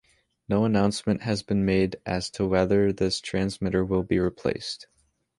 No announcement has been made as to whether this transmitter will be replaced.